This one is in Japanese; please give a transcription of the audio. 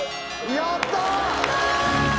やった！